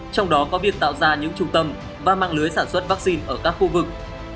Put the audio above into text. trong đó có việc tạo ra những trung tâm và mạng lưới sản xuất vaccine ở các khu vực